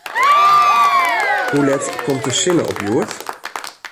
Hoe let komt de sinne op hjoed?